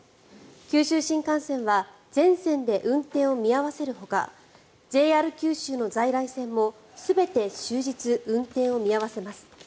九州新幹線は全線で運転を見合わせるほかＪＲ九州の在来線も全て終日運転を見合わせます。